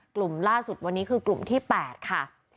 กลุ่มล่าสุดวันนี้คือกลุ่มที่๘ค่ะ